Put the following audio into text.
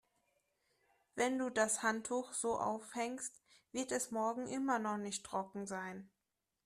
Wenn du das Handtuch so aufhängst, wird es morgen immer noch nicht trocken sein.